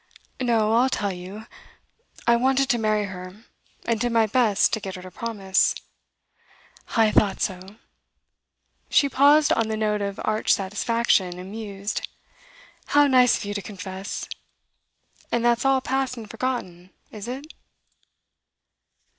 'No, I'll tell you. I wanted to marry her, and did my best to get her to promise.' 'I thought so!' She paused on the note of arch satisfaction, and mused. 'How nice of you to confess! And that's all past and forgotten, is it?